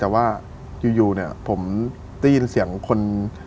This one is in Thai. เท่าไรนะพี่แต่ว่าอยู่อยู่เนี่ยอ่ะผมยินเสียงคน